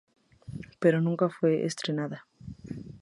Pero nunca fue estrenada.